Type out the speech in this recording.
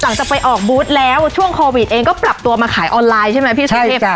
หลังจากไปออกบูธแล้วช่วงโควิดเองก็ปรับตัวมาขายออนไลน์ใช่ไหมพี่สุเทพ